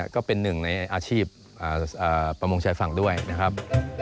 ก็เป็นหนึ่งในอาชีพประมงชายฝั่งด้วยนะครับ